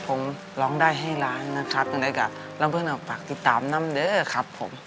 ผมร้องได้ให้ล้านนะครับยังไงก็ลำเบิ้ลฝากติดตามนำเด้อครับผม